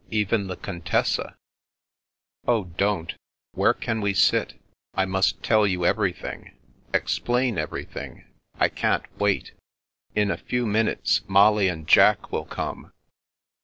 Even the Contessa '* "Oh, don't! Where can we sit? I must tell you everything— explain everything. I can't wait. In a few minutes Molly and Jack will come."